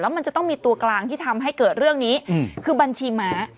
มันจะต้องมีตัวกลางที่ทำให้เกิดเรื่องนี้คือบัญชีม้า